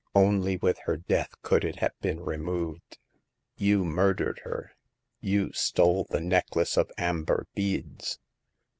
Only with her death could it have been removed. You murdered her ; you stole the necklace of amber beads.''